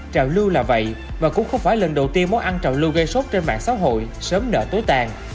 trà lưu là vậy và cũng không phải lần đầu tiên muốn ăn trà lưu gây sốt trên mạng xã hội sớm nợ tối tàn